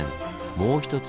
もう一つ